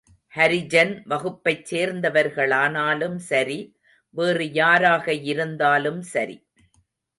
ஹரிஜன் வகுப்பைச் சேர்ந்தவர்களானாலும் சரி, வேறு யாராகயிருந்தாலும் சரி.